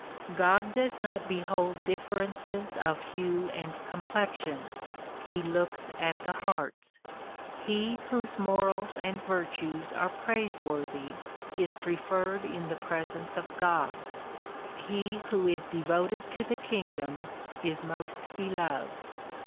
God does not behold ditferenees of hue and complexion; he looks at the hearts. He whose morals and virtues are praiseworthy is preferred in the presence of God ; he who is devoted to the kingdom is most beloved.